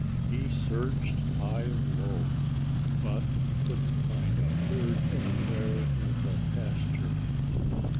He searched high and low. But he couldn't find a bird anywhere in the pasture.